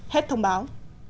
hết thông báo